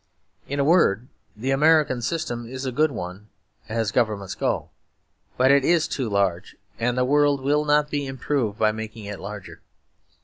In a word, the American system is a good one as governments go; but it is too large, and the world will not be improved by making it larger.